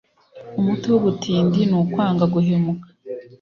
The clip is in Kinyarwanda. Umuti w’ubutindi ni ukwanga guhemuka.